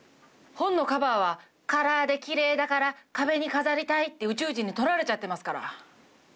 本のカバーは「カラーできれいだから壁に飾りたい」って宇宙人に取られちゃってますから。